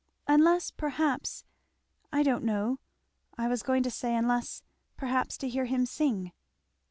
"Unless, perhaps, I don't know, I was going to say, unless perhaps to hear him sing."